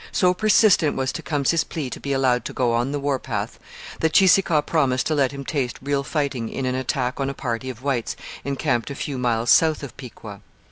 So persistent was Tecumseh's plea to be allowed to go on the war path that Cheeseekau promised to let him taste real fighting in an attack on a party of whites encamped a few miles south of Piqua.